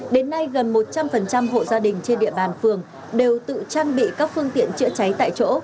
đến nay gần một trăm linh hộ gia đình trên địa bàn phường đều tự trang bị các phương tiện chữa cháy tại chỗ